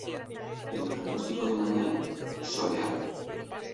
¿ El pronóstico de mañana? Soleado.